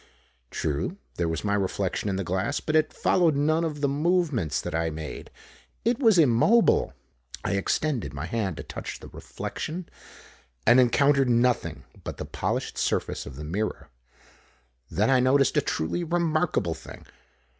True, there was my reflection in the glass, but it followed none of the movements that I made. It was immobile! I extended my hand to touch the reflection and encountered nothing but the polished surface of the mirror. Then I noticed a truly remarkable thing.